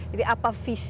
jadi apa visi